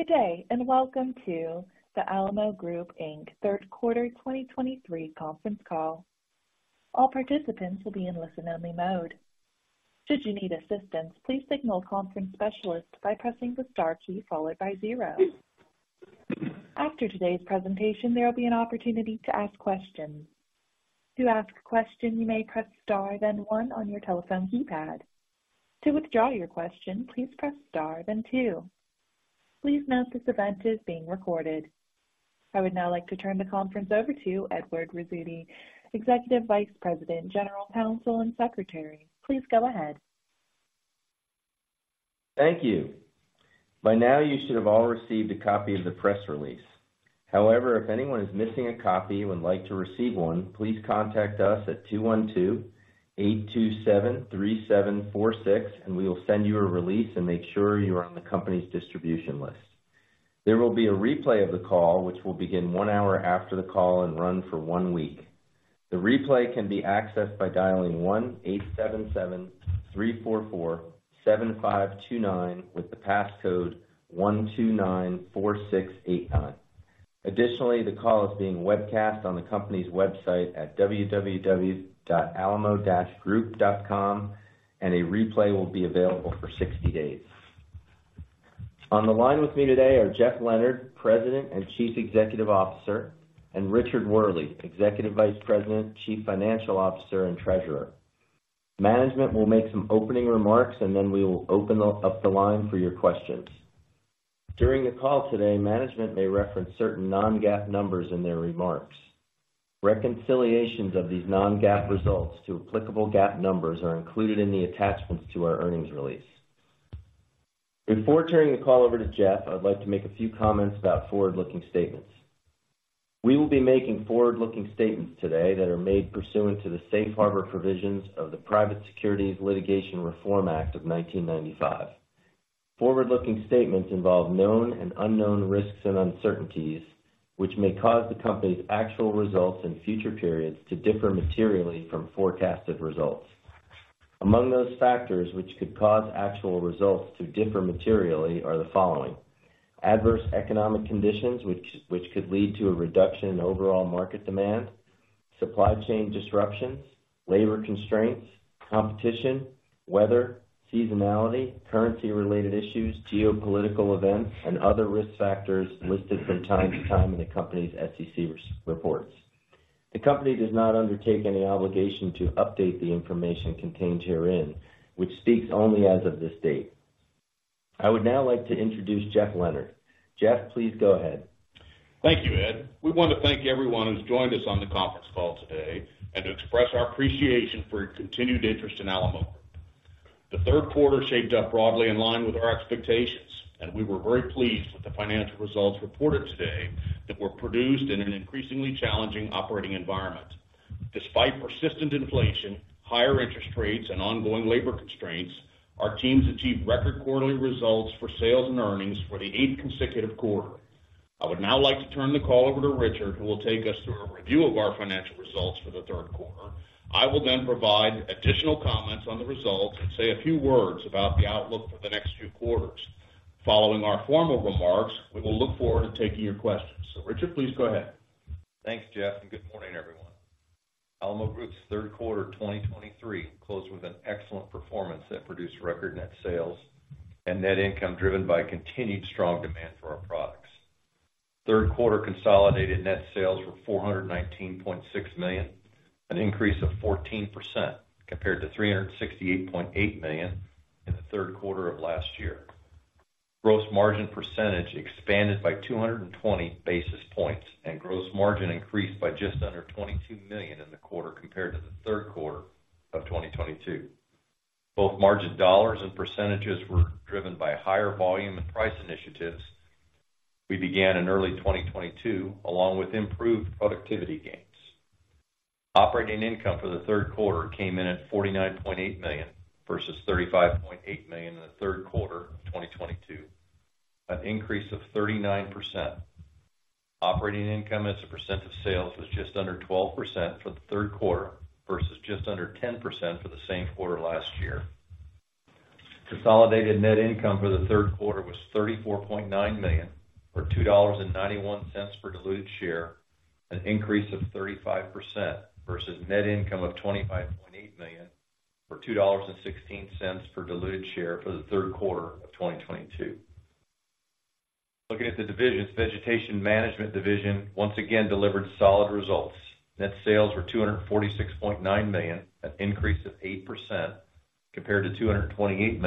Good day, and welcome to the Alamo Group Inc. third quarter 2023 conference call. All participants will be in listen-only mode. Should you need assistance, please signal conference specialist by pressing the star key followed by zero. After today's presentation, there will be an opportunity to ask questions. To ask a question, you may press Star, then one on your telephone keypad. To withdraw your question, please press Star then two. Please note this event is being recorded. I would now like to turn the conference over to Edward Rizzuti, Executive Vice President, General Counsel, and Secretary. Please go ahead. Thank you. By now, you should have all received a copy of the press release. However, if anyone is missing a copy and would like to receive one, please contact us at 212-827-3746, and we will send you a release and make sure you are on the company's distribution list. There will be a replay of the call, which will begin one hour after the call and run for one week. The replay can be accessed by dialing 1-877-344-7529, with the passcode 1294689. Additionally, the call is being webcast on the company's website at www.alamogroup.com, and a replay will be available for 60 days. On the line with me today are Jeff Leonard, President and Chief Executive Officer, and Richard Wehrle, Executive Vice President, Chief Financial Officer, and Treasurer. Management will make some opening remarks, and then we will open up the line for your questions. During the call today, management may reference certain non-GAAP numbers in their remarks. Reconciliations of these non-GAAP results to applicable GAAP numbers are included in the attachments to our earnings release. Before turning the call over to Jeff, I'd like to make a few comments about forward-looking statements. We will be making forward-looking statements today that are made pursuant to the Safe Harbor Provisions of the Private Securities Litigation Reform Act of 1995. Forward-looking statements involve known and unknown risks and uncertainties, which may cause the company's actual results in future periods to differ materially from forecasted results. Among those factors which could cause actual results to differ materially are the following: adverse economic conditions, which could lead to a reduction in overall market demand, supply chain disruptions, labor constraints, competition, weather, seasonality, currency-related issues, geopolitical events, and other risk factors listed from time to time in the company's SEC reports. The company does not undertake any obligation to update the information contained herein, which speaks only as of this date. I would now like to introduce Jeff Leonard. Jeff, please go ahead. Thank you, Ed. We want to thank everyone who's joined us on the conference call today and to express our appreciation for your continued interest in Alamo. The third quarter shaped up broadly in line with our expectations, and we were very pleased with the financial results reported today that were produced in an increasingly challenging operating environment. Despite persistent inflation, higher interest rates, and ongoing labor constraints, our teams achieved record quarterly results for sales and earnings for the eighth consecutive quarter. I would now like to turn the call over to Richard, who will take us through a review of our financial results for the third quarter. I will then provide additional comments on the results and say a few words about the outlook for the next two quarters. Following our formal remarks, we will look forward to taking your questions. So Richard, please go ahead. Thanks, Jeff, and good morning, everyone. Alamo Group's third quarter 2023 closed with an excellent performance that produced record net sales and net income driven by continued strong demand for our products. Third quarter consolidated net sales were $419.6 million, an increase of 14% compared to $368.8 million in the third quarter of last year. Gross margin percentage expanded by 220 basis points, and gross margin increased by just under $22 million in the quarter compared to the third quarter of 2022. Both margin dollars and percentages were driven by higher volume and price initiatives we began in early 2022, along with improved productivity gains. Operating income for the third quarter came in at $49.8 million versus $35.8 million in the third quarter of 2022, an increase of 39%. Operating income as a percent of sales was just under 12% for the third quarter versus just under 10% for the same quarter last year. Consolidated net income for the third quarter was $34.9 million, or $2.91 per diluted share, an increase of 35% versus net income of $25.8 million, or $2.16 per diluted share for the third quarter of 2022. Looking at the divisions, Vegetation Management division once again delivered solid results. Net sales were $246.9 million, an increase of 8% compared to $228.5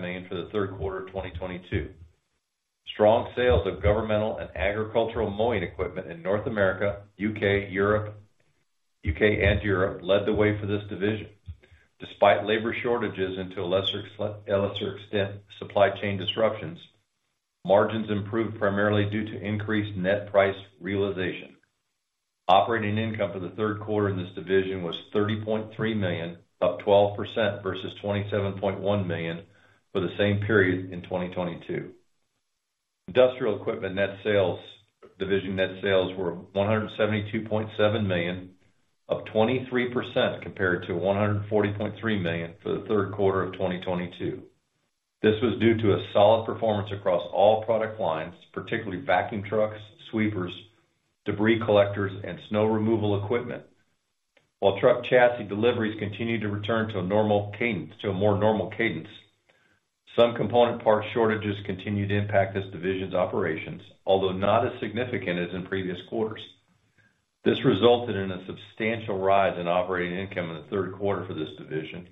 million for the third quarter of 2022. Strong sales of governmental and agricultural mowing equipment in North America, U.K. and Europe led the way for this division. Despite labor shortages and to a lesser extent, supply chain disruptions, margins improved primarily due to increased net price realization. Operating income for the third quarter in this division was $30.3 million, up 12% versus $27.1 million for the same period in 2022. Industrial Equipment net sales, division net sales were $172.7 million, up 23% compared to $140.3 million for the third quarter of 2022. This was due to a solid performance across all product lines, particularly vacuum trucks, sweepers, debris collectors, and snow removal equipment. While truck chassis deliveries continued to return to a normal cadence, to a more normal cadence, some component part shortages continued to impact this division's operations, although not as significant as in previous quarters. This resulted in a substantial rise in operating income in the third quarter for this division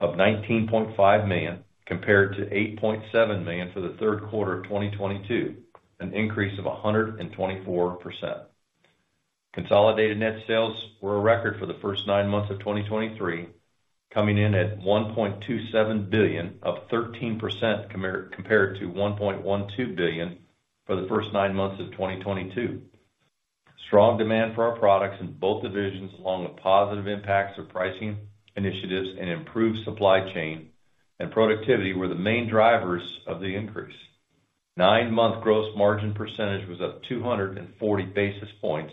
of $19.5 million, compared to $8.7 million for the third quarter of 2022, an increase of 124%. Consolidated net sales were a record for the first nine months of 2023, coming in at $1.27 billion, up 13%, compared to $1.12 billion for the first nine months of 2022. Strong demand for our products in both divisions, along with positive impacts of pricing initiatives and improved supply chain and productivity, were the main drivers of the increase. Nine-month gross margin percentage was up 240 basis points,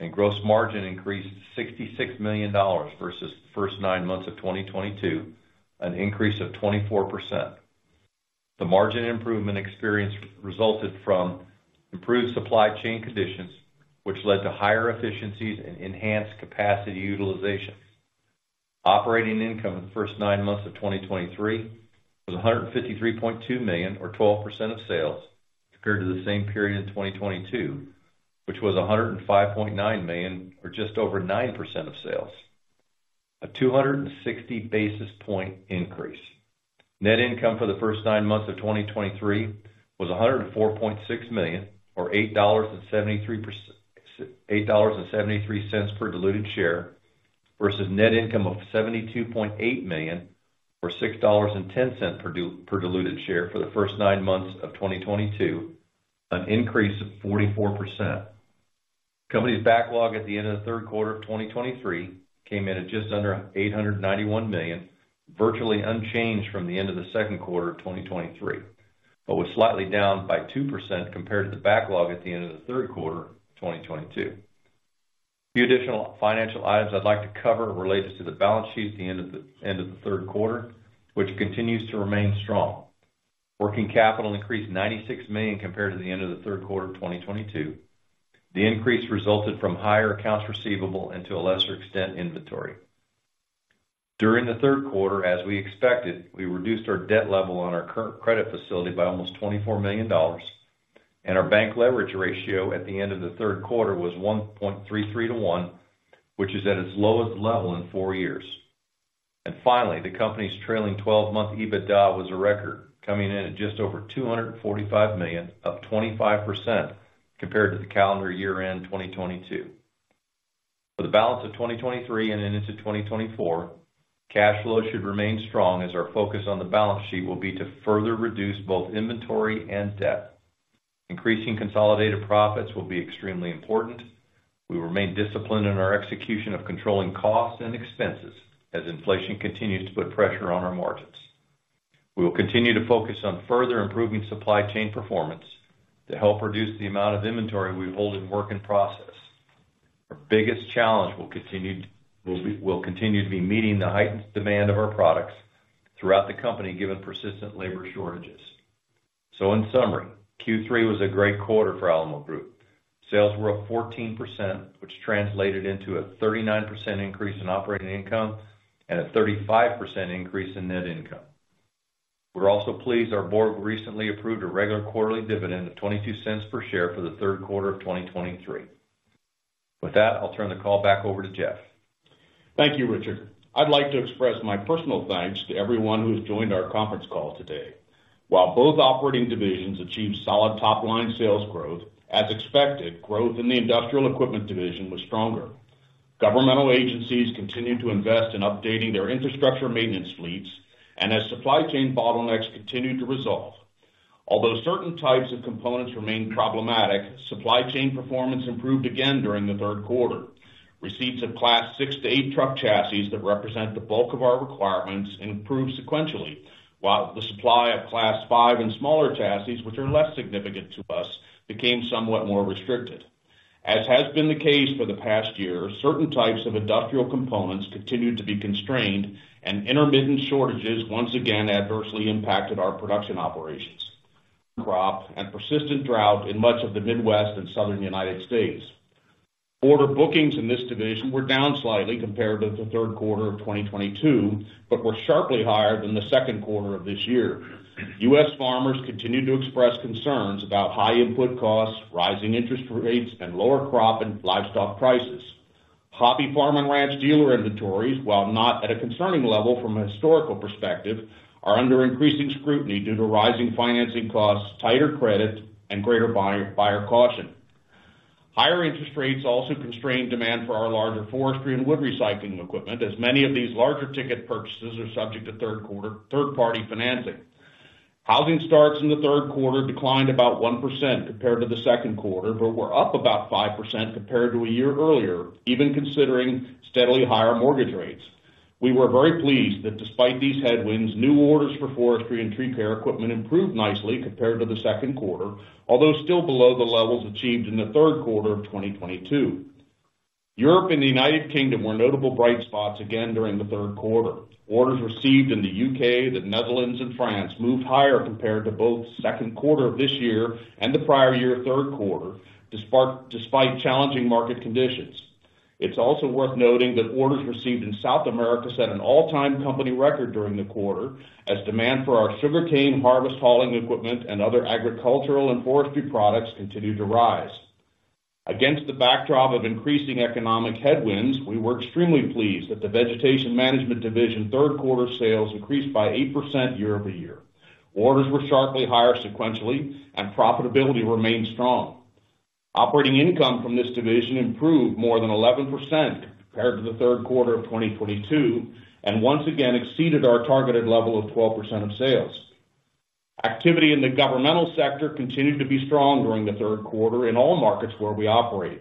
and gross margin increased $66 million versus the first nine months of 2022, an increase of 24%. The margin improvement experienced resulted from improved supply chain conditions, which led to higher efficiencies and enhanced capacity utilization. Operating income in the first nine months of 2023 was $153.2 million, or 12% of sales, compared to the same period in 2022, which was $105.9 million, or just over 9% of sales, a 260 basis point increase. Net income for the first nine months of 2023 was $104.6 million, or $8.73 per diluted share, versus net income of $72.8 million, or $6.10 per diluted share for the first nine months of 2022, an increase of 44%. Company's backlog at the end of the third quarter of 2023 came in at just under $891 million, virtually unchanged from the end of the second quarter of 2023, but was slightly down by 2% compared to the backlog at the end of the third quarter of 2022. The additional financial items I'd like to cover are related to the balance sheet at the end of the third quarter, which continues to remain strong. Working capital increased $96 million compared to the end of the third quarter of 2022. The increase resulted from higher accounts receivable and, to a lesser extent, inventory. During the third quarter, as we expected, we reduced our debt level on our current credit facility by almost $24 million, and our bank leverage ratio at the end of the third quarter was 1.33 to 1, which is at its lowest level in four years. Finally, the company's trailing 12-month EBITDA was a record, coming in at just over $245 million, up 25% compared to the calendar year end, 2022. For the balance of 2023 and into 2024, cash flow should remain strong, as our focus on the balance sheet will be to further reduce both inventory and debt. Increasing consolidated profits will be extremely important. We will remain disciplined in our execution of controlling costs and expenses, as inflation continues to put pressure on our margins. We will continue to focus on further improving supply chain performance to help reduce the amount of inventory we hold in work in process. Our biggest challenge will continue to be meeting the heightened demand of our products throughout the company, given persistent labor shortages. So in summary, Q3 was a great quarter for Alamo Group. Sales were up 14%, which translated into a 39% increase in operating income and a 35% increase in net income. We're also pleased our board recently approved a regular quarterly dividend of $0.22 per share for the third quarter of 2023. With that, I'll turn the call back over to Jeff. Thank you, Richard. I'd like to express my personal thanks to everyone who has joined our conference call today. While both operating divisions achieved solid top-line sales growth, as expected, growth in the industrial equipment division was stronger. Governmental agencies continued to invest in updating their infrastructure maintenance fleets and as supply chain bottlenecks continued to resolve. Although certain types of components remained problematic, supply chain performance improved again during the third quarter. Receipts of Class 6-8 truck chassis that represent the bulk of our requirements, improved sequentially, while the supply of Class 5 and smaller chassis, which are less significant to us, became somewhat more restricted. As has been the case for the past year, certain types of industrial components continued to be constrained, and intermittent shortages once again adversely impacted our production operations. Crop and persistent drought in much of the Midwest and Southern United States. Order bookings in this division were down slightly compared to the third quarter of 2022, but were sharply higher than the second quarter of this year. U.S. farmers continued to express concerns about high input costs, rising interest rates, and lower crop and livestock prices, hobby farm and ranch dealer inventories, while not at a concerning level from a historical perspective, are under increasing scrutiny due to rising financing costs, tighter credit, and greater buyer caution. Higher interest rates also constrained demand for our larger forestry and wood recycling equipment, as many of these larger ticket purchases are subject to third-party financing. Housing starts in the third quarter declined about 1% compared to the second quarter, but were up about 5% compared to a year earlier, even considering steadily higher mortgage rates. We were very pleased that despite these headwinds, new orders for forestry and tree care equipment improved nicely compared to the second quarter, although still below the levels achieved in the third quarter of 2022. Europe and the United Kingdom were notable bright spots again during the third quarter. Orders received in the U.K., the Netherlands, and France moved higher compared to both second quarter of this year and the prior year third quarter, despite challenging market conditions. It's also worth noting that orders received in South America set an all-time company record during the quarter, as demand for our sugarcane harvest hauling equipment and other agricultural and forestry products continued to rise. Against the backdrop of increasing economic headwinds, we were extremely pleased that the Vegetation Management division third quarter sales increased by 8% year-over-year. Orders were sharply higher sequentially, and profitability remained strong. Operating income from this division improved more than 11% compared to the third quarter of 2022, and once again exceeded our targeted level of 12% of sales. Activity in the governmental sector continued to be strong during the third quarter in all markets where we operate.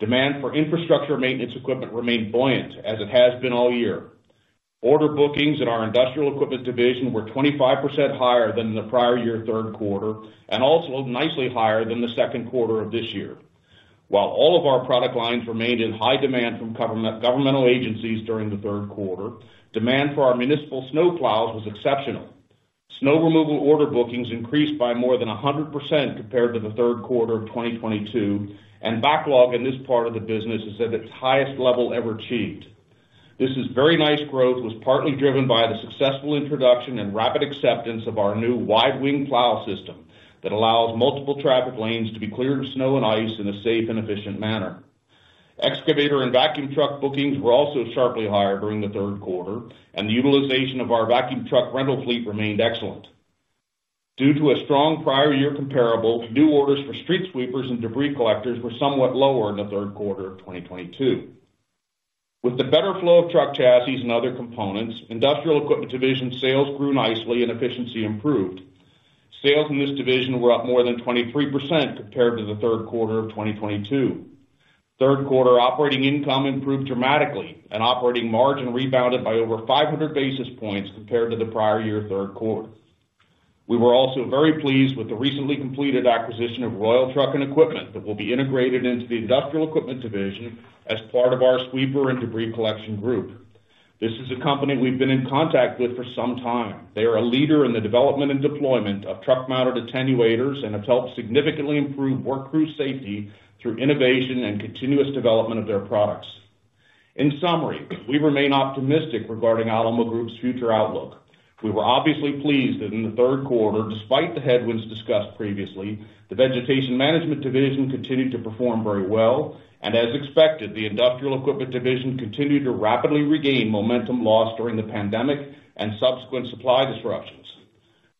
Demand for infrastructure maintenance equipment remained buoyant, as it has been all year. Order bookings in our Industrial Equipment division were 25% higher than the prior year third quarter, and also nicely higher than the second quarter of this year. While all of our product lines remained in high demand from governmental agencies during the third quarter, demand for our municipal snow plows was exceptional. Snow removal order bookings increased by more than 100% compared to the third quarter of 2022, and backlog in this part of the business is at its highest level ever achieved. This is very nice growth, was partly driven by the successful introduction and rapid acceptance of our new wide-wing plow system that allows multiple traffic lanes to be cleared of snow and ice in a safe and efficient manner. Excavator and vacuum truck bookings were also sharply higher during the third quarter, and the utilization of our vacuum truck rental fleet remained excellent. Due to a strong prior year comparable, new orders for street sweepers and debris collectors were somewhat lower in the third quarter of 2022. With the better flow of truck chassis and other components, Industrial Equipment division sales grew nicely and efficiency improved. Sales in this division were up more than 23% compared to the third quarter of 2022. Third quarter operating income improved dramatically, and operating margin rebounded by over 500 basis points compared to the prior year third quarter. We were also very pleased with the recently completed acquisition of Royal Truck & Equipment, that will be integrated into the Industrial Equipment division as part of our sweeper and debris collection group. This is a company we've been in contact with for some time. They are a leader in the development and deployment of truck-mounted attenuators and have helped significantly improve work crew safety through innovation and continuous development of their products. In summary, we remain optimistic regarding Alamo Group's future outlook. We were obviously pleased that in the third quarter, despite the headwinds discussed previously, the Vegetation Management division continued to perform very well, and as expected, the Industrial Equipment division continued to rapidly regain momentum lost during the pandemic and subsequent supply disruptions.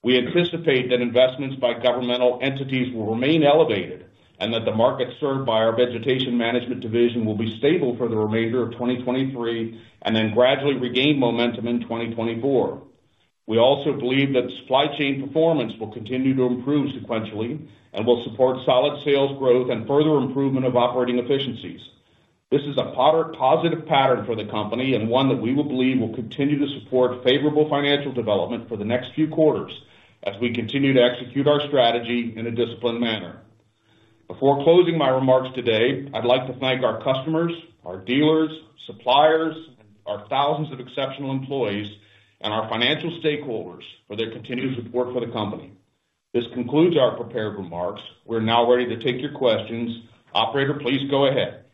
We anticipate that investments by governmental entities will remain elevated, and that the market served by our Vegetation Management division will be stable for the remainder of 2023, and then gradually regain momentum in 2024. We also believe that supply chain performance will continue to improve sequentially and will support solid sales growth and further improvement of operating efficiencies. This is a rather positive pattern for the company and one that we believe will continue to support favorable financial development for the next few quarters as we continue to execute our strategy in a disciplined manner. Before closing my remarks today, I'd like to thank our customers, our dealers, suppliers, and our thousands of exceptional employees and our financial stakeholders for their continued support for the company. This concludes our prepared remarks. We're now ready to take your questions. Operator, please go ahead.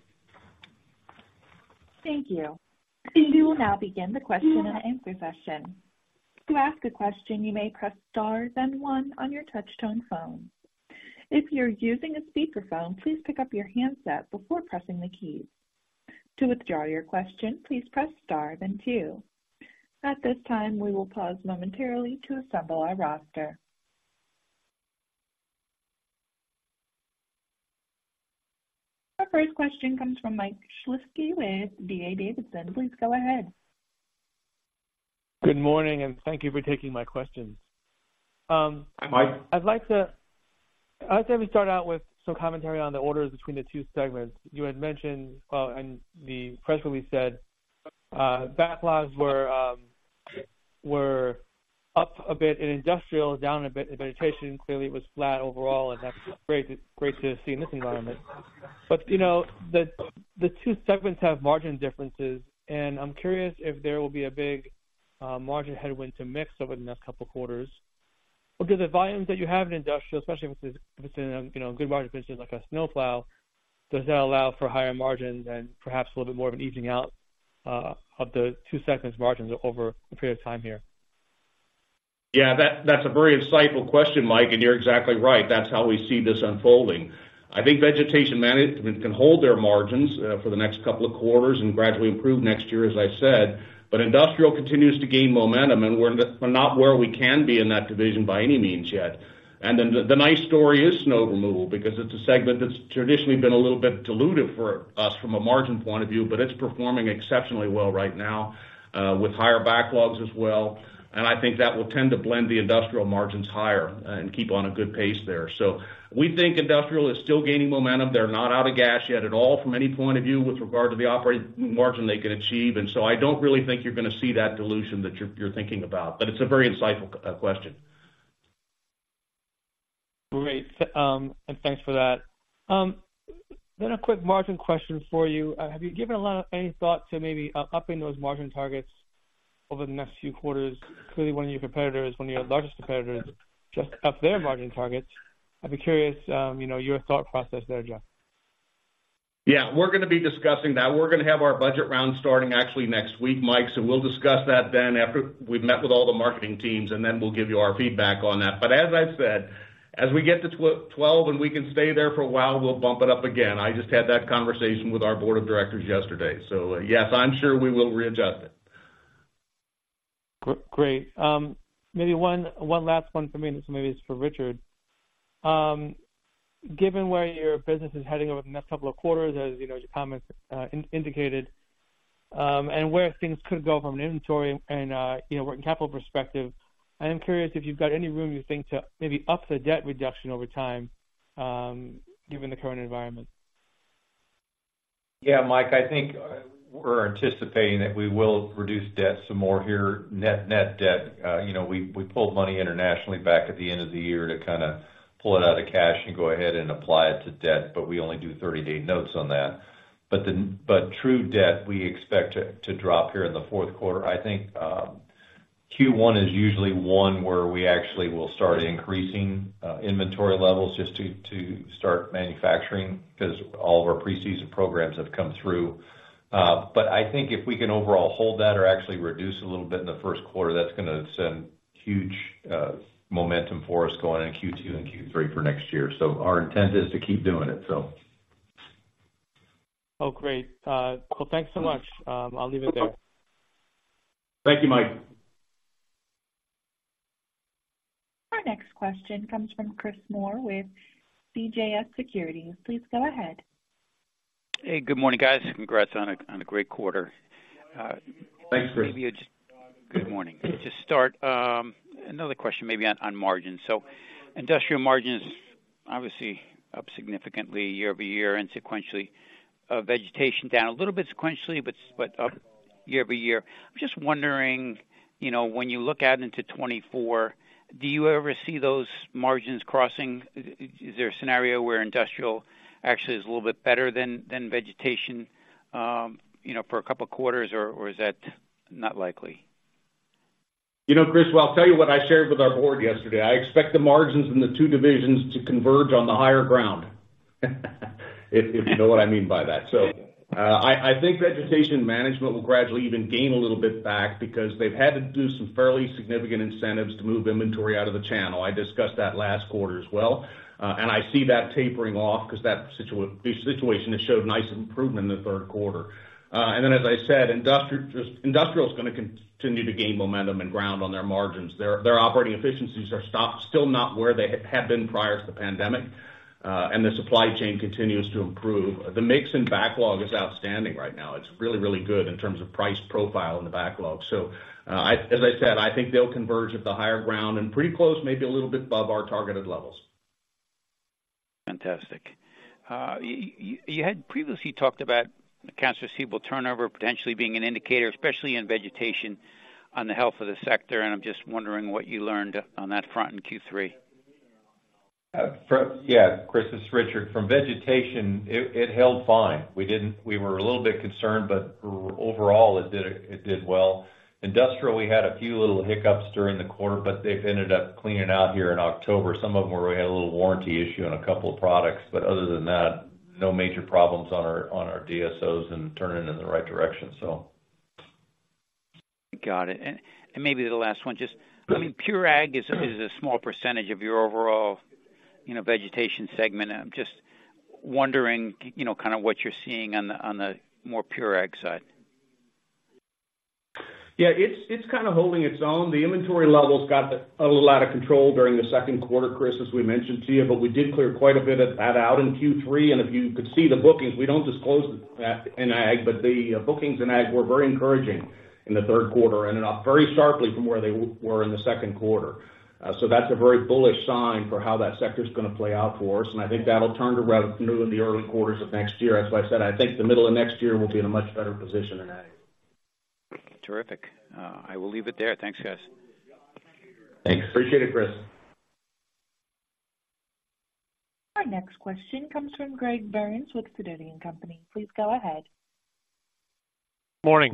Thank you. We will now begin the question and answer session. To ask a question, you may press star then one on your touchtone phone. If you're using a speakerphone, please pick up your handset before pressing the keys. To withdraw your question, please press star, then two. At this time, we will pause momentarily to assemble our roster. Our first question comes from Mike Shlisky with D.A. Davidson. Please go ahead. Good morning, and thank you for taking my questions. Hi, Mike. I'd like to have you start out with some commentary on the orders between the two segments. You had mentioned, and the press release said, backlogs were up a bit in industrial, down a bit in vegetation. Clearly, it was flat overall, and that's great, great to see in this environment. But, you know, the two segments have margin differences, and I'm curious if there will be a big margin headwind to mix over the next couple of quarters. Because the volumes that you have in industrial, especially if it's in, you know, a good margin business like a snow plow, does that allow for higher margins and perhaps a little bit more of an evening out of the two segments margins over a period of time here? Yeah, that's a very insightful question, Mike, and you're exactly right. That's how we see this unfolding. I think vegetation management can hold their margins for the next couple of quarters and gradually improve next year, as I said, but industrial continues to gain momentum, and we're not where we can be in that division by any means yet. And then the nice story is snow removal, because it's a segment that's traditionally been a little bit dilutive for us from a margin point of view, but it's performing exceptionally well right now with higher backlogs as well. And I think that will tend to blend the industrial margins higher and keep on a good pace there. So we think industrial is still gaining momentum. They're not out of gas yet at all from any point of view with regard to the operating margin they can achieve, and so I don't really think you're going to see that dilution that you're thinking about, but it's a very insightful question. Great, and thanks for that. Then a quick margin question for you. Have you given a lot of, any thought to maybe upping those margin targets over the next few quarters? Clearly, one of your competitors, one of your largest competitors, just upped their margin targets. I'd be curious, you know, your thought process there, Jeff. Yeah, we're gonna be discussing that. We're gonna have our budget round starting actually next week, Mike, so we'll discuss that then after we've met with all the marketing teams, and then we'll give you our feedback on that. But as I've said, as we get to 12, and we can stay there for a while, we'll bump it up again. I just had that conversation with our board of directors yesterday. So, yes, I'm sure we will readjust it. Great. Maybe one last one for me, and so maybe it's for Richard. Given where your business is heading over the next couple of quarters, as you know, your comments indicated, and where things could go from an inventory and working capital perspective, I am curious if you've got any room you think to maybe up the debt reduction over time, given the current environment? Yeah, Mike, I think, we're anticipating that we will reduce debt some more here, net, net debt. You know, we pulled money internationally back at the end of the year to kind of pull it out of cash and go ahead and apply it to debt, but we only do 30-day notes on that. But the true debt, we expect it to drop here in the fourth quarter. I think, Q1 is usually one where we actually will start increasing inventory levels just to start manufacturing, because all of our preseason programs have come through. But I think if we can overall hold that or actually reduce a little bit in the first quarter, that's gonna send huge momentum for us going into Q2 and Q3 for next year. So our intent is to keep doing it, so. Oh, great. Well, thanks so much. I'll leave it there. Thank you, Mike. Our next question comes from Chris Moore with CJS Securities. Please go ahead. Hey, good morning, guys. Congrats on a great quarter. Thanks, Chris. Good morning. To start, another question maybe on, on margins. So industrial margins, obviously, up significantly year-over-year and sequentially. Vegetation down a little bit sequentially, but up year-over-year. I'm just wondering, you know, when you look out into 2024, do you ever see those margins crossing? Is there a scenario where industrial actually is a little bit better than, than vegetation, you know, for a couple of quarters, or, or is that not likely? You know, Chris, well, I'll tell you what I shared with our board yesterday. I expect the margins in the two divisions to converge on the higher ground, if you know what I mean by that. Yeah. So, I think vegetation management will gradually even gain a little bit back because they've had to do some fairly significant incentives to move inventory out of the channel. I discussed that last quarter as well, and I see that tapering off because the situation has showed nice improvement in the third quarter. And then, as I said, industrial is gonna continue to gain momentum and ground on their margins. Their operating efficiencies are still not where they had been prior to the pandemic, and the supply chain continues to improve. The mix in backlog is outstanding right now. It's really, really good in terms of price profile in the backlog. So, as I said, I think they'll converge at the higher ground and pretty close, maybe a little bit above our targeted levels. Fantastic. You had previously talked about accounts receivable turnover potentially being an indicator, especially in vegetation, on the health of the sector, and I'm just wondering what you learned on that front in Q3? Chris, this is Richard. From vegetation, it held fine. We were a little bit concerned, but overall, it did well. Industrial, we had a few little hiccups during the quarter, but they've ended up cleaning out here in October. Some of them were, we had a little warranty issue on a couple of products, but other than that, no major problems on our DSOs, and turning in the right direction, so. Got it. And maybe the last one, just, I mean, pure ag is a small percentage of your overall, you know, vegetation segment, and I'm just wondering, you know, kind of what you're seeing on the more pure ag side? Yeah, it's, it's kind of holding its own. The inventory levels got a little out of control during the second quarter, Chris, as we mentioned to you, but we did clear quite a bit of that out in Q3. And if you could see the bookings, we don't disclose that in ag, but the bookings in ag were very encouraging in the third quarter and up very sharply from where they were in the second quarter. So that's a very bullish sign for how that sector is gonna play out for us, and I think that'll turn to revenue in the early quarters of next year. That's why I said, I think the middle of next year, we'll be in a much better position in ag. Terrific. I will leave it there. Thanks, guys. Thanks. Appreciate it, Chris. Our next question comes from Greg Burns with Sidoti & Company. Please go ahead. Morning.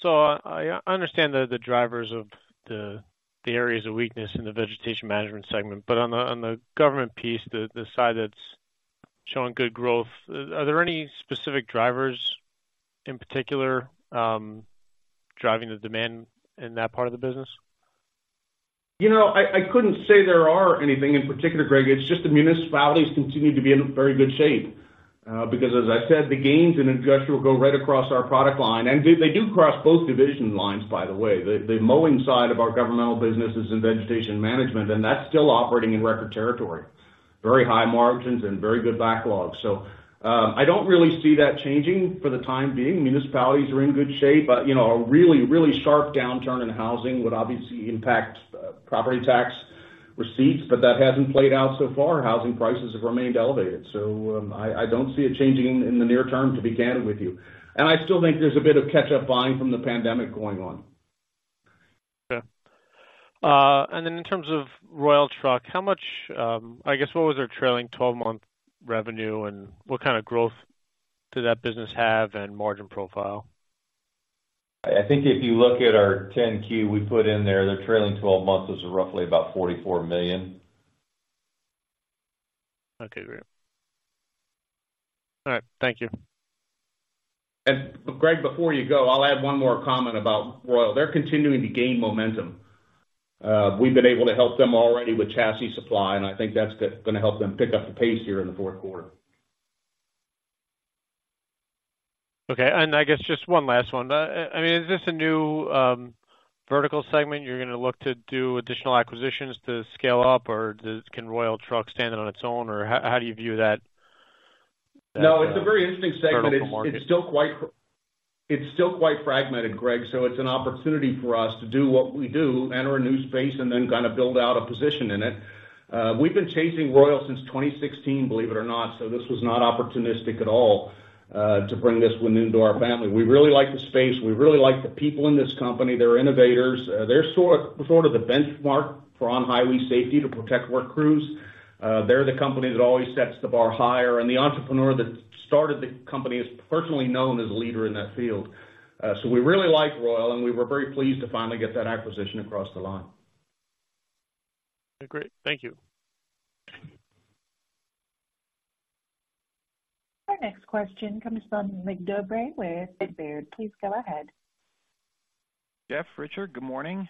So I understand the drivers of the areas of weakness in the vegetation management segment, but on the government piece, the side that's showing good growth, are there any specific drivers in particular driving the demand in that part of the business? You know, I couldn't say there are anything in particular, Greg. It's just the municipalities continue to be in very good shape, because, as I said, the gains in industrial go right across our product line, and they do cross both division lines, by the way. The mowing side of our governmental business is in vegetation management, and that's still operating in record territory. Very high margins and very good backlogs. So, I don't really see that changing for the time being. Municipalities are in good shape, you know, a really, really sharp downturn in housing would obviously impact property tax receipts, but that hasn't played out so far. Housing prices have remained elevated, so, I don't see it changing in the near term, to be candid with you. I still think there's a bit of catch-up buying from the pandemic going on. Okay. And then in terms of Royal Truck, how much, I guess, what was their trailing twelve-month revenue, and what kind of growth did that business have and margin profile? I think if you look at our 10-K, we put in there, the trailing twelve months was roughly about $44 million. Okay, great. All right, thank you. Greg, before you go, I'll add one more comment about Royal. They're continuing to gain momentum. We've been able to help them already with chassis supply, and I think that's gonna help them pick up the pace here in the fourth quarter. Okay. I guess just one last one. I mean, is this a new vertical segment you're gonna look to do additional acquisitions to scale up, or can Royal Truck stand on its own, or how do you view that? No, it's a very interesting segment. Vertical market. It's still quite fragmented, Greg, so it's an opportunity for us to do what we do, enter a new space and then kind of build out a position in it. We've been chasing Royal since 2016, believe it or not, so this was not opportunistic at all, to bring this one into our family. We really like the space. We really like the people in this company. They're innovators. They're sort of the benchmark for on-highway safety to protect work crews. They're the company that always sets the bar higher, and the entrepreneur that started the company is personally known as a leader in that field. So we really like Royal, and we were very pleased to finally get that acquisition across the line. Great. Thank you. Our next question comes from Mig Dobre with Baird. Please go ahead. Jeff, Richard, good morning.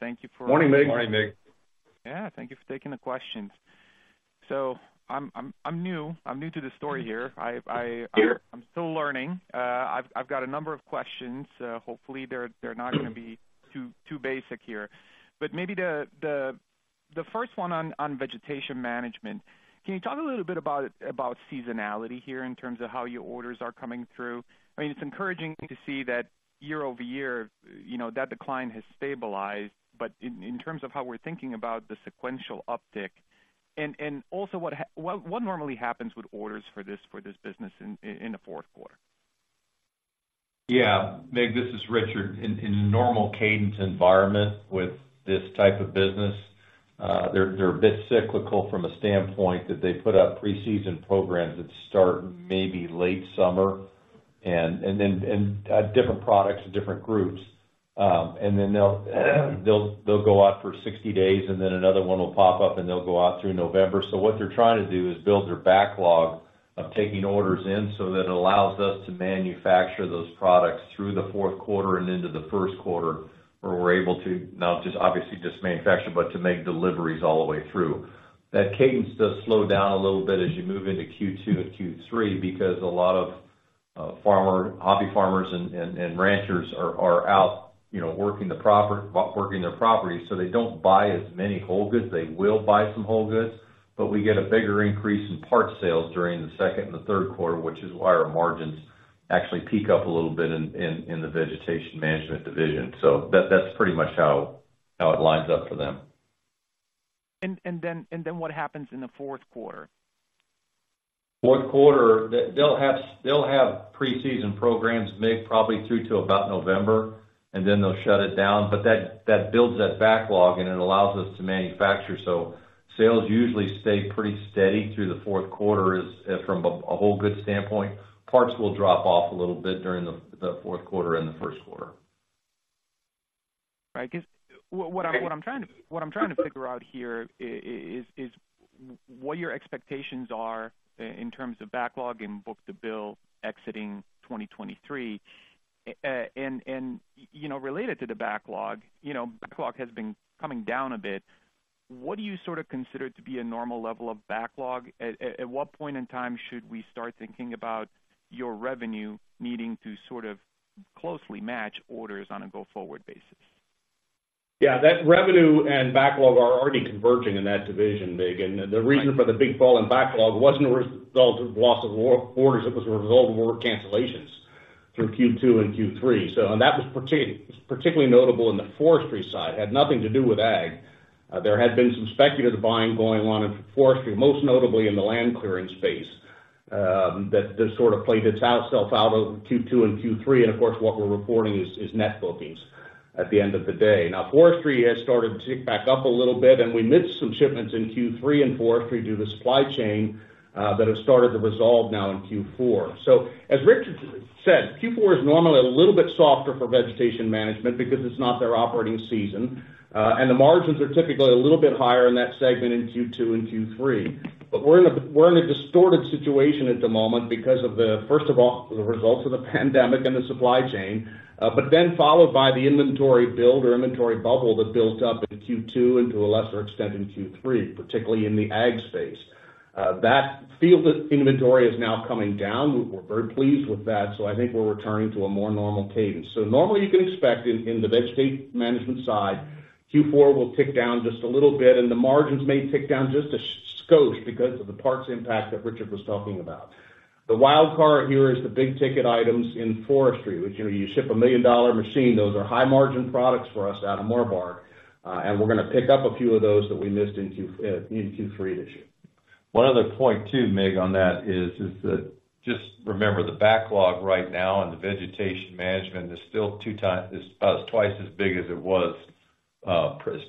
Thank you for- Morning, Mig. Morning, Mig. Yeah, thank you for taking the questions. So I'm new to the story here. I'm still learning. I've got a number of questions. Hopefully, they're not gonna be too basic here. But maybe the first one on vegetation management. Can you talk a little bit about seasonality here in terms of how your orders are coming through? I mean, it's encouraging to see that year-over-year, you know, that decline has stabilized, but in terms of how we're thinking about the sequential uptick, and also what normally happens with orders for this business in the fourth quarter? Yeah. Mig, this is Richard. In a normal cadence environment with this type of business, they're a bit cyclical from a standpoint that they put out pre-season programs that start maybe late summer and then different products and different groups. And then they'll go out for 60 days, and then another one will pop up, and they'll go out through November. So what they're trying to do is build their backlog of taking orders in, so that it allows us to manufacture those products through the fourth quarter and into the first quarter, where we're able to not just obviously just manufacture, but to make deliveries all the way through. That cadence does slow down a little bit as you move into Q2 and Q3 because a lot of hobby farmers and ranchers are out, you know, working their properties, so they don't buy as many whole goods. They will buy some whole goods, but we get a bigger increase in parts sales during the second and the third quarter, which is why our margins actually peak up a little bit in the vegetation management division. So that's pretty much how it lines up for them. And then what happens in the fourth quarter? Fourth quarter, they'll have pre-season programs, Mig, probably through to about November, and then they'll shut it down. But that builds that backlog, and it allows us to manufacture. So sales usually stay pretty steady through the fourth quarter as from a whole good standpoint. Parts will drop off a little bit during the fourth quarter and the first quarter. I guess what I'm trying to figure out here is what your expectations are in terms of backlog and book-to-bill exiting 2023. And you know, related to the backlog, you know, backlog has been coming down a bit. What do you sort of consider to be a normal level of backlog? At what point in time should we start thinking about your revenue needing to sort of closely match orders on a go-forward basis? Yeah, that revenue and backlog are already converging in that division, Mig. Right. The reason for the big fall in backlog wasn't a result of loss of orders. It was a result of order cancellations through Q2 and Q3. And that was particularly notable in the forestry side, had nothing to do with ag. There had been some speculative buying going on in forestry, most notably in the land clearing space, that just sort of played itself out over Q2 and Q3. And of course, what we're reporting is net bookings at the end of the day. Now, forestry has started to tick back up a little bit, and we missed some shipments in Q3 and forestry due to supply chain that have started to resolve now in Q4. So as Richard said, Q4 is normally a little bit softer for vegetation management because it's not their operating season, and the margins are typically a little bit higher in that segment in Q2 and Q3. But we're in a, we're in a distorted situation at the moment because of the, first of all, the results of the pandemic and the supply chain, but then followed by the inventory build or inventory bubble that built up in Q2 and to a lesser extent in Q3, particularly in the ag space. That field inventory is now coming down. We're very pleased with that, so I think we're returning to a more normal cadence. So normally, you can expect in the vegetation management side, Q4 will tick down just a little bit, and the margins may tick down just a skosh because of the parts impact that Richard was talking about. The wild card here is the big-ticket items in forestry, which, you know, you ship a million-dollar machine. Those are high-margin products for us out of Morbark, and we're gonna pick up a few of those that we missed in Q3 this year... One other point, too, Mig, on that is that just remember, the backlog right now and the vegetation management is still two times, is about twice as big as it was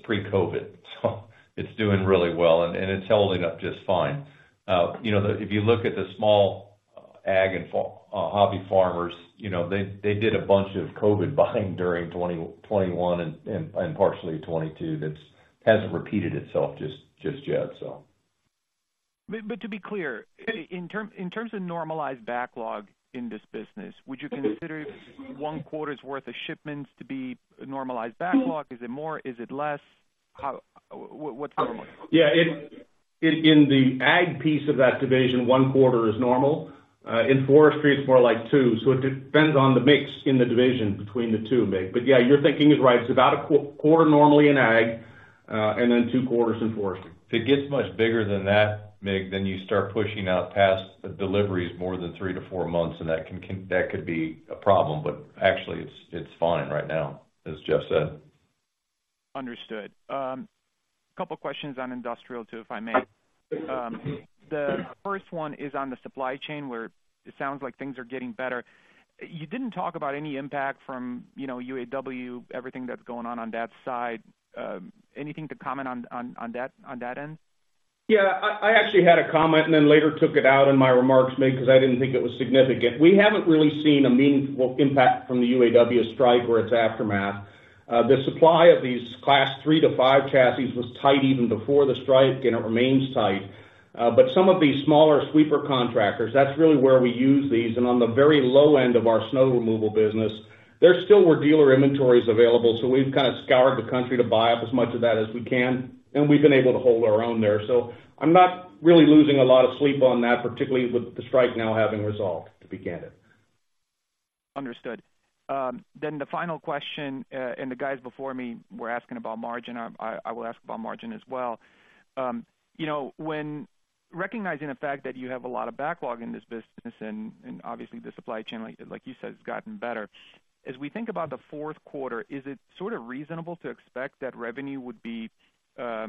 pre-COVID. So it's doing really well, and it's holding up just fine. You know, if you look at the small ag and farm hobby farmers, you know, they did a bunch of COVID buying during 2021 and partially 2022. That hasn't repeated itself just yet, so. But to be clear, in terms of normalized backlog in this business, would you consider one quarter's worth of shipments to be a normalized backlog? Is it more? Is it less? How—what's normal? Yeah, it in the ag piece of that division, one quarter is normal. In forestry, it's more like two, so it depends on the mix in the division between the two, Mig. But, yeah, your thinking is right. It's about a quarter, normally in ag, and then two quarters in forestry. If it gets much bigger than that, Mig, then you start pushing out past the deliveries more than three to four months, and that could be a problem, but actually, it's fine right now, as Jeff said. Understood. Couple questions on industrial, too, if I may. The first one is on the supply chain, where it sounds like things are getting better. You didn't talk about any impact from, you know, UAW, everything that's going on, on that side. Anything to comment on, on, on that, on that end? Yeah, I actually had a comment and then later took it out in my remarks, Mig, because I didn't think it was significant. We haven't really seen a meaningful impact from the UAW strike or its aftermath. The supply of these Class 3-5 chassis was tight even before the strike, and it remains tight. But some of these smaller sweeper contractors, that's really where we use these, and on the very low end of our snow removal business, there still were dealer inventories available, so we've kind of scoured the country to buy up as much of that as we can, and we've been able to hold our own there. So I'm not really losing a lot of sleep on that, particularly with the strike now having resolved, to be candid. Understood. Then the final question, and the guys before me were asking about margin. I will ask about margin as well. You know, when recognizing the fact that you have a lot of backlog in this business, and obviously, the supply chain, like you said, has gotten better, as we think about the fourth quarter, is it sort of reasonable to expect that revenue would be a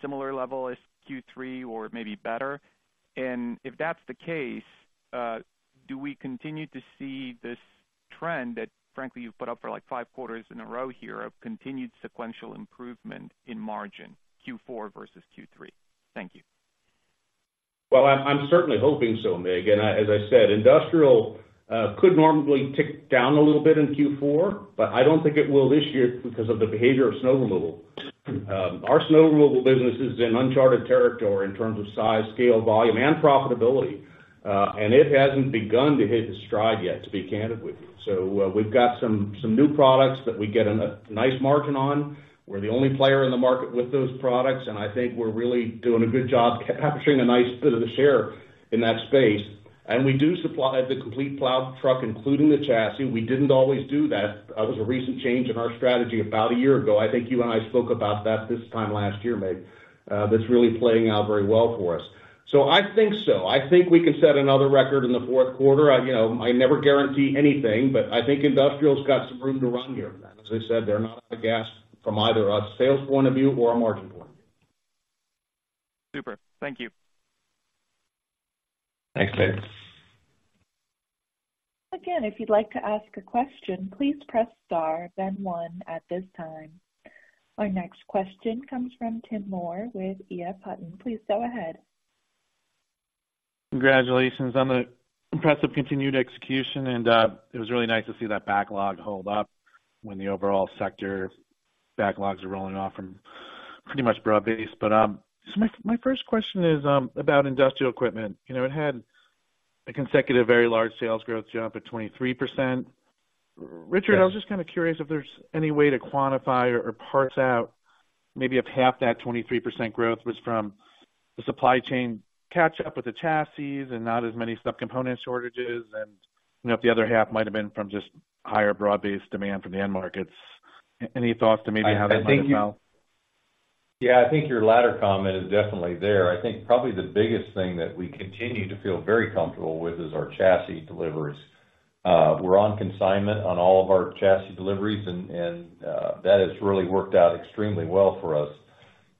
similar level as Q3 or maybe better? And if that's the case, do we continue to see this trend that, frankly, you've put up for, like, five quarters in a row here of continued sequential improvement in margin, Q4 versus Q3? Thank you. Well, I'm certainly hoping so, Mig, and as I said, industrial could normally tick down a little bit in Q4, but I don't think it will this year because of the behavior of snow removal. Our snow removal business is in uncharted territory in terms of size, scale, volume, and profitability, and it hasn't begun to hit its stride yet, to be candid with you. So, we've got some new products that we get a nice margin on. We're the only player in the market with those products, and I think we're really doing a good job capturing a nice bit of the share in that space. And we do supply the complete plow truck, including the chassis. We didn't always do that. It was a recent change in our strategy about a year ago. I think you and I spoke about that this time last year, Mig. That's really playing out very well for us. So I think so. I think we can set another record in the fourth quarter. I, you know, I never guarantee anything, but I think industrial's got some room to run here. As I said, they're not out of gas from either a sales point of view or a margin point of view. Super. Thank you. Thanks, Mig. Again, if you'd like to ask a question, please press star, then one at this time. Our next question comes from Tim Moore with EF Hutton. Please go ahead. Congratulations on the impressive continued execution, and it was really nice to see that backlog hold up when the overall sector backlogs are rolling off from pretty much broad-based. But, so my first question is about industrial equipment. You know, it had a consecutive, very large sales growth jump of 23%. Richard, I was just kind of curious if there's any way to quantify or parse out maybe if half that 23% growth was from the supply chain catch up with the chassis and not as many subcomponent shortages, and, you know, if the other half might have been from just higher broad-based demand from the end markets. Any thoughts to maybe how that might have been? Yeah. I think your latter comment is definitely there. I think probably the biggest thing that we continue to feel very comfortable with is our chassis deliveries. We're on consignment on all of our chassis deliveries, and that has really worked out extremely well for us.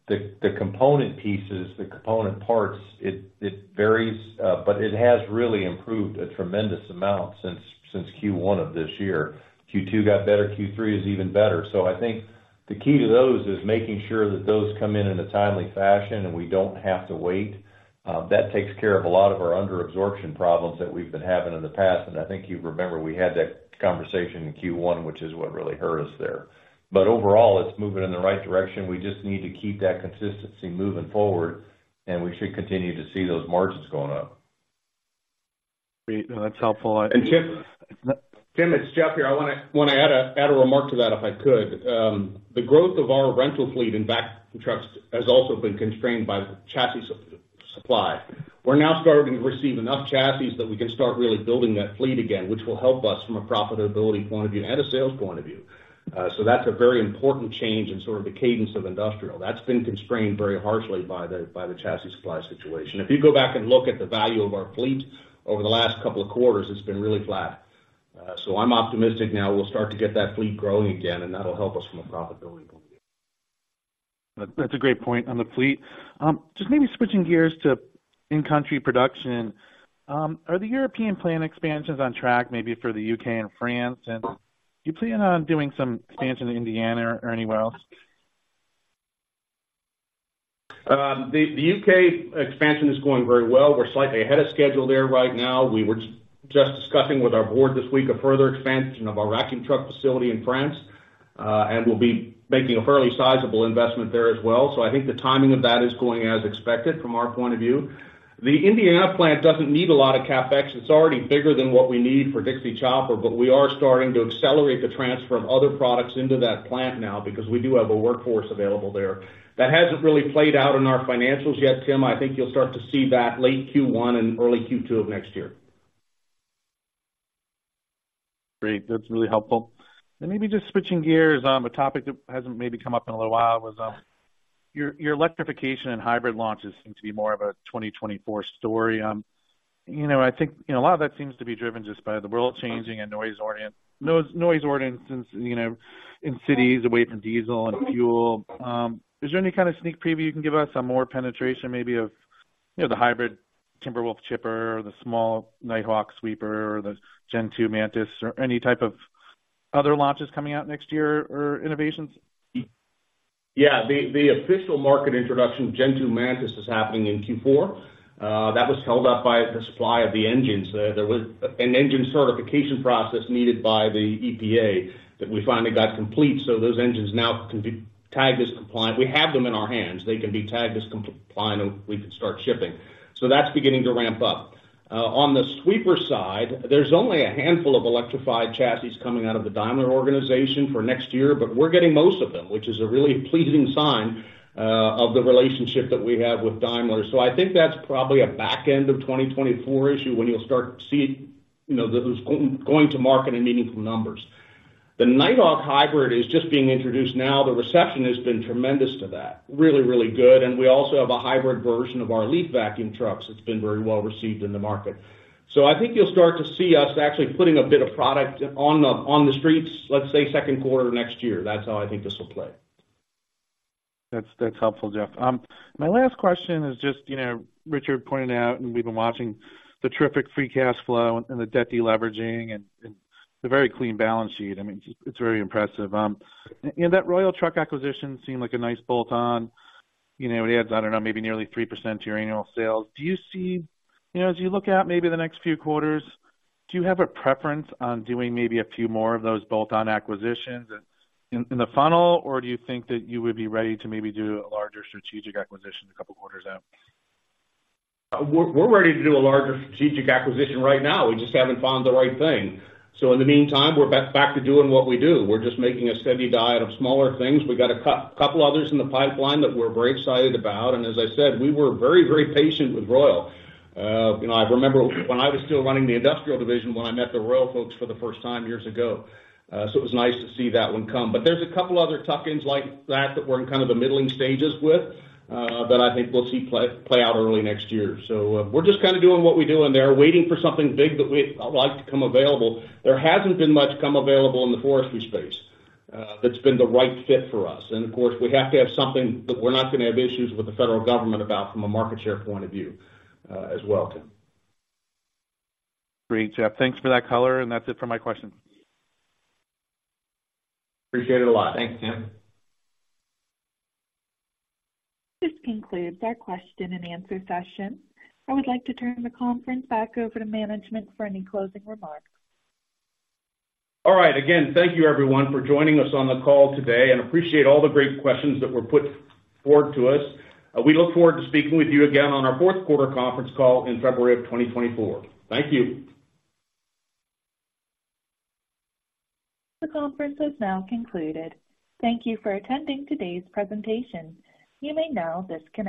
The component pieces, the component parts, it varies, but it has really improved a tremendous amount since Q1 of this year. Q2 got better. Q3 is even better. So I think the key to those is making sure that those come in in a timely fashion, and we don't have to wait. That takes care of a lot of our under absorption problems that we've been having in the past. And I think you remember we had that conversation in Q1, which is what really hurt us there. But overall, it's moving in the right direction. We just need to keep that consistency moving forward, and we should continue to see those margins going up. Great. That's helpful. Tim. Tim, it's Jeff here. I want to, want to add a, add a remark to that, if I could. The growth of our rental fleet in vac trucks has also been constrained by the chassis supply. We're now starting to receive enough chassis that we can start really building that fleet again, which will help us from a profitability point of view and a sales point of view. So that's a very important change in sort of the cadence of industrial. That's been constrained very harshly by the, by the chassis supply situation. If you go back and look at the value of our fleet over the last couple of quarters, it's been really flat.... So I'm optimistic now we'll start to get that fleet growing again, and that'll help us from a profitability point of view. That's a great point on the fleet. Just maybe switching gears to in-country production, are the European plant expansions on track, maybe for the U.K. and France? And do you plan on doing some expansion in Indiana or anywhere else? The U.K. expansion is going very well. We're slightly ahead of schedule there right now. We were just discussing with our board this week a further expansion of our racking truck facility in France, and we'll be making a fairly sizable investment there as well. So I think the timing of that is going as expected from our point of view. The Indiana plant doesn't need a lot of CapEx. It's already bigger than what we need for Dixie Chopper, but we are starting to accelerate the transfer of other products into that plant now because we do have a workforce available there. That hasn't really played out in our financials yet, Tim. I think you'll start to see that late Q1 and early Q2 of next year. Great. That's really helpful. And maybe just switching gears on a topic that hasn't maybe come up in a little while, was, your, your electrification and hybrid launches seem to be more of a 2024 story. You know, I think, you know, a lot of that seems to be driven just by the world changing and noise ordinances, you know, in cities, away from diesel and fuel. Is there any kind of sneak preview you can give us on more penetration, maybe of, you know, the hybrid Timberwolf chipper or the small Nighthawk sweeper or the Gen-2 Mantis, or any type of other launches coming out next year or innovations? Yeah, the official market introduction, Gen-2 Mantis, is happening in Q4. That was held up by the supply of the engines. There was an engine certification process needed by the EPA that we finally got complete, so those engines now can be tagged as compliant. We have them in our hands. They can be tagged as compliant, and we can start shipping. So that's beginning to ramp up. On the sweeper side, there's only a handful of electrified chassis coming out of the Daimler organization for next year, but we're getting most of them, which is a really pleasing sign of the relationship that we have with Daimler. So I think that's probably a back end of 2024 issue when you'll start to see, you know, those going to market in meaningful numbers. The Nighthawk hybrid is just being introduced now. The reception has been tremendous to that, really, really good. And we also have a hybrid version of our leaf vacuum trucks that's been very well received in the market. So I think you'll start to see us actually putting a bit of product on the, on the streets, let's say, second quarter of next year. That's how I think this will play. That's helpful, Jeff. My last question is just, you know, Richard pointed out, and we've been watching the terrific free cash flow and the debt deleveraging and the very clean balance sheet. I mean, it's very impressive. And that Royal Truck acquisition seemed like a nice bolt-on. You know, it adds, I don't know, maybe nearly 3% to your annual sales. Do you see... You know, as you look out maybe the next few quarters, do you have a preference on doing maybe a few more of those bolt-on acquisitions in the funnel? Or do you think that you would be ready to maybe do a larger strategic acquisition a couple of quarters out? We're ready to do a larger strategic acquisition right now. We just haven't found the right thing. So in the meantime, we're back to doing what we do. We're just making a steady diet of smaller things. We got a couple others in the pipeline that we're very excited about, and as I said, we were very, very patient with Royal. You know, I remember when I was still running the industrial division when I met the Royal folks for the first time years ago. So it was nice to see that one come. But there's a couple other tuck-ins like that, that we're in kind of the middling stages with, that I think we'll see play out early next year. So, we're just kind of doing what we do in there, waiting for something big that we'd like to come available. There hasn't been much coming available in the forestry space, that's been the right fit for us. Of course, we have to have something that we're not gonna have issues with the federal government about from a market share point of view, as well, Tim. Great, Jeff. Thanks for that color, and that's it for my questions. Appreciate it a lot. Thanks, Tim. This concludes our question and answer session. I would like to turn the conference back over to management for any closing remarks. All right. Again, thank you everyone for joining us on the call today, and appreciate all the great questions that were put forward to us. We look forward to speaking with you again on our fourth quarter conference call in February of 2024. Thank you. The conference is now concluded. Thank you for attending today's presentation. You may now disconnect.